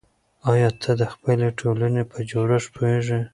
آیا ته د خپلې ټولنې په جوړښت پوهېږې؟